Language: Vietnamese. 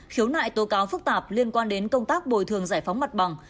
khiếu nại tố cáo phức tạp liên quan đến công tác bồi thường giải phóng mặt bằng